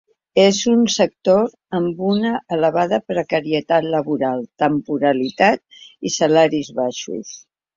És un sector amb una elevada precarietat laboral, temporalitat i salaris baixos.